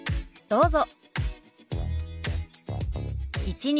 どうぞ。